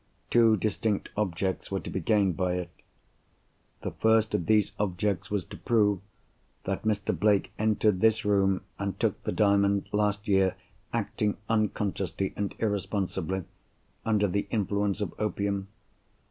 Two distinct objects were to be gained by it. The first of these objects was to prove, that Mr. Blake entered this room, and took the Diamond, last year, acting unconsciously and irresponsibly, under the influence of opium.